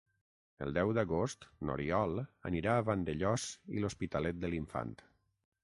El deu d'agost n'Oriol anirà a Vandellòs i l'Hospitalet de l'Infant.